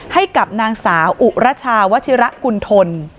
ให้กับนางสาวอุรชาวชิระกุณฑล